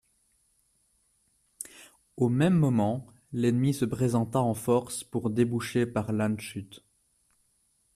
Au même moment, l'ennemi se présenta en force pour déboucher par Landshut.